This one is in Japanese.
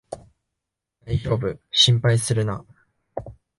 だいじょうぶ、心配するな